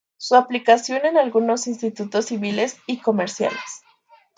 Su aplicación en algunos institutos civiles y comerciales".